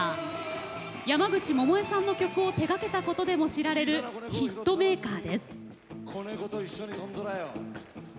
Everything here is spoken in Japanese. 山口百恵さんの曲を手がけたことでも知られるヒットメーカーです。